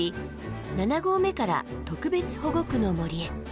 ７合目から特別保護区の森へ。